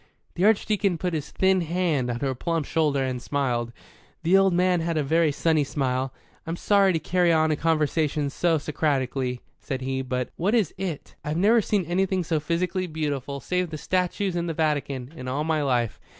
The Archdeacon put his thin hand on her plump shoulder, and smiled. The old man had a very sunny smile. "I'm sorry to carry on a conversation so Socratically," said he. "But what is 'it'?" "I've never seen anything so physically beautiful, save the statues in the Vatican, in all my life.